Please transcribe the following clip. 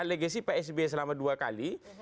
legesi psb selama dua kali